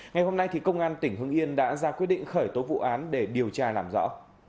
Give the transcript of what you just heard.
ngày hôm nay công an tỉnh hưng yên đã ra quyết định khởi tố vụ án để điều tra làm rõ